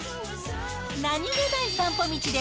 何気ない散歩道で、